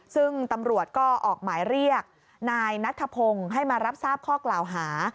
ซึ่งตำรวจก็ออกหมายเรียกนายนัทธพงศ์ให้มารับทราบข้อกล่าวหา